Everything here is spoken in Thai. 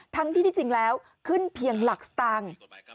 ทั้งที่ที่จริงแล้วขึ้นเพียงหลักสตางค์